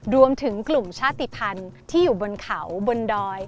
รวมถึงกลุ่มชาติภัณฑ์ที่อยู่บนเขาบนดอย